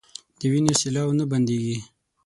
د وينو سېلاوو نه بنديږي